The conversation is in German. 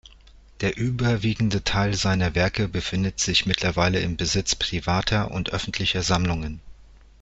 Der überwiegende Teil seiner Werke befindet sich mittlerweile im Besitz privater und öffentlicher Sammlungen.